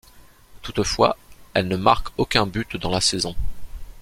Toutefois elle ne marque aucun but dans la saison.